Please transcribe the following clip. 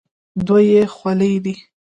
دوه یې خولې دي.